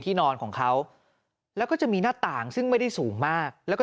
นอนของเขาแล้วก็จะมีหน้าต่างซึ่งไม่ได้สูงมากแล้วก็